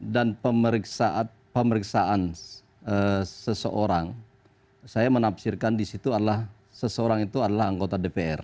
dan pemeriksaan seseorang saya menafsirkan di situ adalah seseorang itu adalah anggota dpr